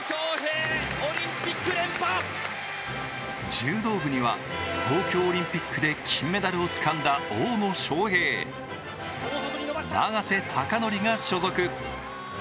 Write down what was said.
柔道部には東京オリンピックで金メダルをつかんだ大野将平、永瀬貴規が所属。